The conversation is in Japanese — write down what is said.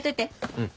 うん。